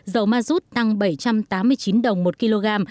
dầu mazut tăng bảy trăm tám mươi chín đồng một kg